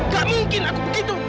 gak mungkin aku begitu